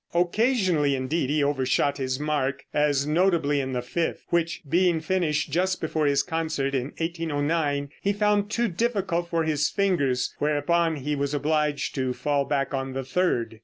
Occasionally indeed he overshot his mark, as notably in the fifth, which, being finished just before his concert in 1809, he found too difficult for his fingers, whereupon he was obliged to fall back on the third.